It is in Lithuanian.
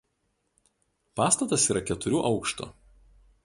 Pastatas yra keturių aukštų.